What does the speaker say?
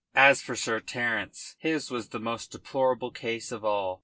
As for Sir Terence, his was the most deplorable case of all.